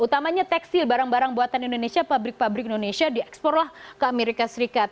utamanya tekstil barang barang buatan indonesia pabrik pabrik indonesia dieksporlah ke amerika serikat